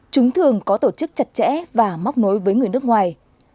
chúng thường có tổ chức chặt chẽ và móc nối với người nước ngoài